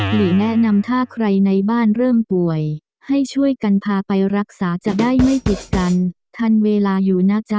หรือแนะนำถ้าใครในบ้านเริ่มป่วยให้ช่วยกันพาไปรักษาจะได้ไม่ติดกันทันเวลาอยู่นะจ๊ะ